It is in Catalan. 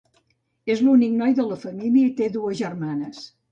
És l'únic noi de la família i té dues germanes.